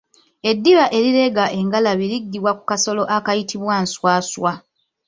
Eddiba erireega engalabi liggyibwa ku kasolo akayitibwa nswaswa.